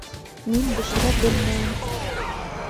Мин бешерә белмәйем.